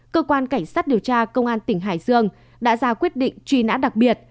cơ quan cảnh sát điều tra công an tỉnh hải dương đã ra quyết định truy nã đặc biệt